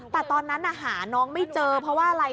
แต่ตอนนั้นหาน้องไม่เจอเพราะว่าอะไร